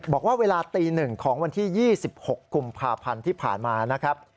บอกว่าเวลาตี๑ของวันที่๒๖กุมภาพันธ์ที่ผ่านมานะครับ